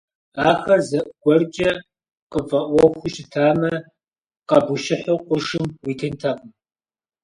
Ахэр зыгуэркӀэ къыпфӀэӀуэхуу щытамэ, къэбущыхьу къуршым уитынтэкъым.